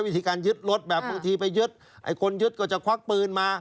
วิธีการยึดรถแบบบางทีไปยึดไอ้คนยึดก็จะควักปืนมา